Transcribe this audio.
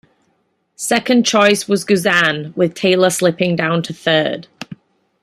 Second choice was Guzan with Taylor slipping down to third.